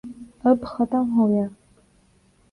اب ختم ہوگیا۔